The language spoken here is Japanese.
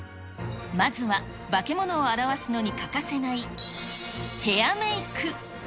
まずはバケモノを表すのに欠かせないヘアメーク。